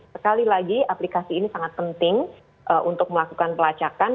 sekali lagi aplikasi ini sangat penting untuk melakukan pelacakan